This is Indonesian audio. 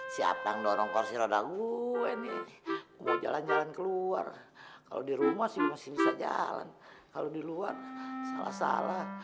siapa yang dorong kursi roda gue ini mau jalan jalan keluar kalau di rumah sih masih bisa jalan kalau di luar salah salah